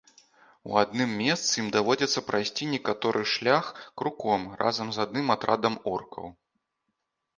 У адным месцы ім даводзіцца прайсці некаторы шлях круком разам з адным атрадам оркаў.